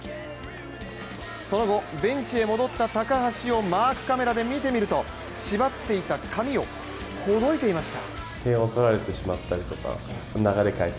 その後、ベンチへ戻った高橋をマークカメラで見てみると縛っていた髪をほどいていました。